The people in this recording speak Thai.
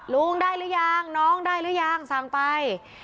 ลุงได้หรือยังน้องได้หรือยังสั่งไป